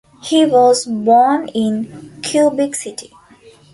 He was born in Quebec City.